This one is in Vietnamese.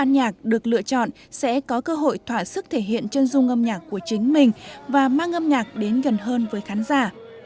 nhạc được lựa chọn sẽ có cơ hội thỏa sức thể hiện chân dung âm nhạc của chính mình và mang âm nhạc đến gần hơn với khán giả